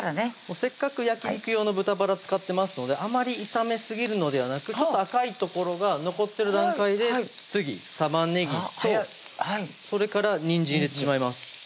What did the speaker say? せっかく焼肉用の豚バラ使ってますのであまり炒めすぎるのではなくちょっと赤い所が残ってる段階で次玉ねぎとそれからにんじん入れてしまいます